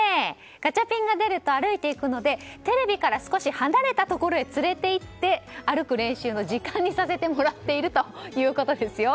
ガチャピンが出ると歩いていくのでテレビから少し離れたところへ連れていって歩く練習の時間にさせてもらっているということですよ。